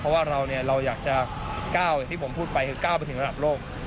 เพราะว่าเราอยากจะก้าวอย่างที่ผมพูดไปคือก้าวไปถึงระดับโลก